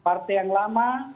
partai yang lama